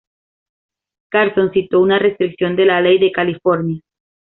Carson citó una restricción de la ley de California.